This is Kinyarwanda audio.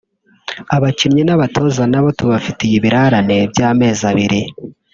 Abakinnyi n’abatoza na bo tubafitiye ibirarane by’amezi abiri